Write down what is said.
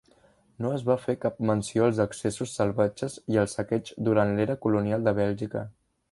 No es va fer cap menció als excessos salvatges i el saqueig durant l'era colonial de Bèlgica.